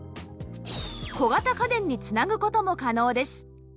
小型家電に繋ぐ事も可能です